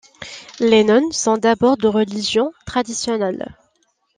Les Nones sont d'abord de religion traditionnelle.